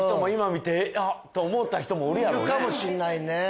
いるかもしんないね。